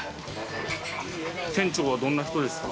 店長はどんな人ですか？